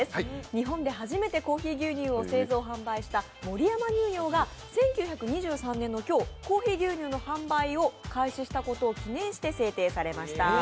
日本で初めてコーヒー牛乳を製造販売した、守山乳業が１９２３年の今日、コーヒー牛乳の販売を開始したことを記念して制定されました。